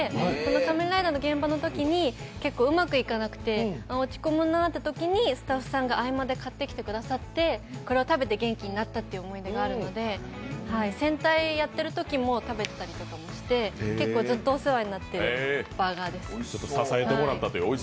「仮面ライダー」の現場ときに結構うまくいかなくて、落ち込むなというときに、スタッフさんが合間で買ってきてくださって、これを食べて元気になったという思い出もあるので、戦隊やってるときも食べてたりしてずっとお世話になっているバーガーです。